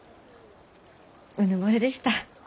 うぬぼれでした。